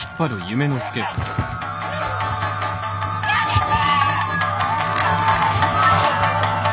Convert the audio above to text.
やめて！